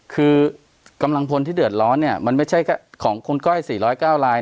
คือกำลังพนท์ที่เดือดร้อนเนี้ยมันไม่ใช่ของคุณก้อยสี่ร้อยเก้าราย